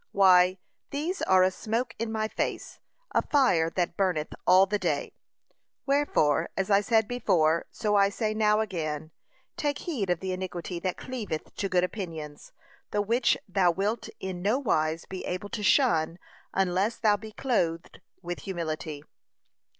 Why, these are a smoke in my nose, a fire that burneth all the day. Wherefore, as I said before, so I say now again, take heed of the iniquity that cleaveth to good opinions; the which thou wilt in nowise be able to shun unless thou be clothed with humility.